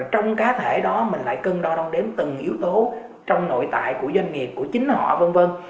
trong cá thể đó mình lại cân đo đông đếm từng yếu tố trong nội tại của doanh nghiệp của chính họ vân vân